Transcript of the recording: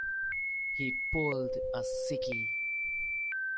He pulled a sickie.